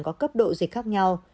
có cấp độ dịch khác nhau